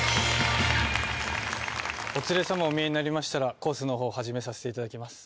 お連れ様お見えになりましたらコースの方を始めさせて頂きます。